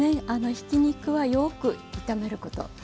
ひき肉はよく炒めること。